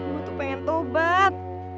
gue tuh pengen tobat